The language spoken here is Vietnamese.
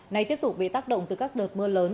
này tiếp tục bị tác động từ các đợt mưa lớn